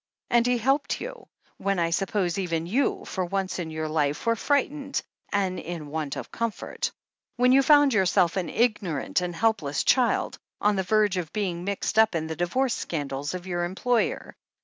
And he helped you, when I suppose even you, for once in your life, were frightened and in want of comfort — when you found yourself, an ignorant and helpless child, on the verge of being mixed up in the divorce scandals of your employer.